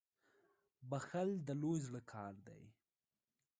• بخښل د لوی زړه کار دی.